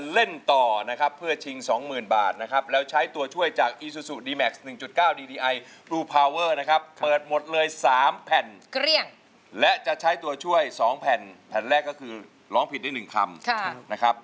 เลือกมาแล้วนะครับเป็นแผ่นที่๖นะครับ